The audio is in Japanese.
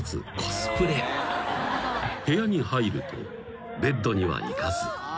［部屋に入るとベッドには行かず］